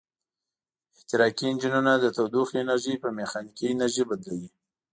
احتراقي انجنونه د تودوخې انرژي په میخانیکي انرژي بدلوي.